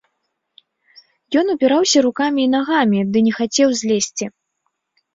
Ён упіраўся рукамі і нагамі ды не хацеў злезці.